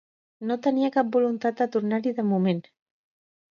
No tenia cap voluntat de tornar-hi de moment.